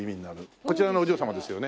こちらのお嬢様ですよね？